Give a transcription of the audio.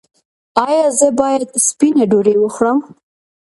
ایا زه باید سپینه ډوډۍ وخورم؟